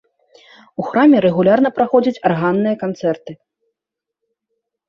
У храме рэгулярна праходзяць арганныя канцэрты.